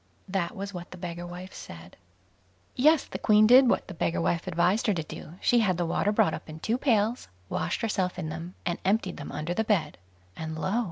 That was what the beggar wife said. Yes; the Queen did what the beggar wife advised her to do; she had the water brought up in two pails, washed herself in them, and emptied them under the bed; and lo!